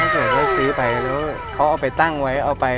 เซอร์ไพร์ซื้อไปเขาเอาไปตั้งไว้เอาไป